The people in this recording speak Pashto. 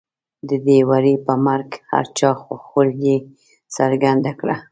د دې وري په مرګ هر چا خواخوږي څرګنده کړله.